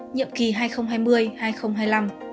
nhiệm kỳ hai nghìn hai mươi hai nghìn hai mươi năm